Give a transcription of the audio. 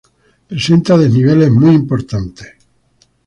Presenta desniveles muy importantes.